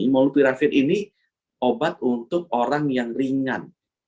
molnupiravir ini obat untuk orang yang ringan